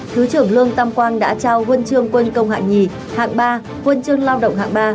thứ trưởng lương tam quang đã trao huân chương quân công hạng hai hạng ba huân chương lao động hạng ba